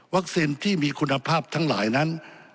วัคซีนที่มีคุณภาพทั้งหลายนั้น